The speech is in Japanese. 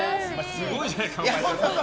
すごいじゃないか、お前。